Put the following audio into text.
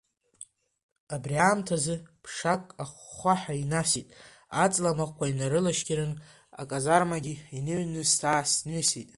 Убри аамҭазы ԥшак ахәхәаҳәа инасит, аҵла махәқәа инарылашьқьырын, аказармагьы иныҩныс-ааҩнысит…